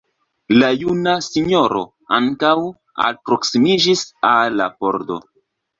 La juna sinjoro ankaŭ alproksimiĝis al la pordo.